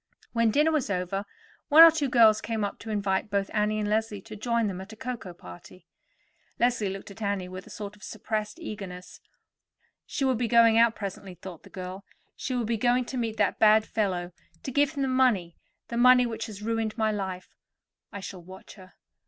When dinner was over, one or two girls came up to invite both Annie and Leslie to join them at a cocoa party. Leslie looked at Annie with a sort of suppressed eagerness. "She will be going out presently," thought the girl. "She will be going to meet that bad fellow, to give him the money—the money which has ruined my life. I shall watch her.